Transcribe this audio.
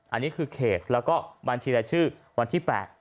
อันนี้คือเขตแล้วก็บัญชีรายชื่อวันที่๘